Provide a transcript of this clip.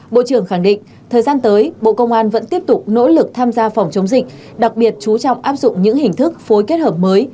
bộ trưởng khẳng định thời gian tới bộ công an vẫn tiếp tục nỗ lực tham gia phòng chống dịch đặc biệt chú trọng áp dụng những hình thức phối kết hợp mới